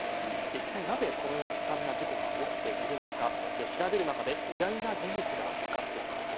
いったいなぜこのような悲惨な事故が起きているのか調べる中で意外な事実が分かってきました。